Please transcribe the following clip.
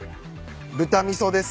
豚味噌です。